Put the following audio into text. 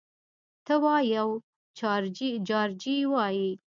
ته وا یو جارچي وايي: